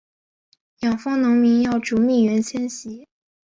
养蜂农民要逐蜜源迁徙